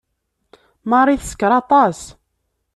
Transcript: Marie teskeṛ aṭas.